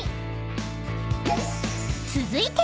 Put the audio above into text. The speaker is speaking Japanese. ［続いて］